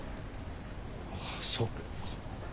ああそっか。